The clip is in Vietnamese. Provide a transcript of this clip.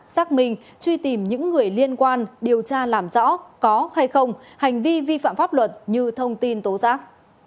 xác minh truy tìm những người liên quan điều tra làm rõ có hay không hành vi vi phạm pháp luật như thông tin tố giác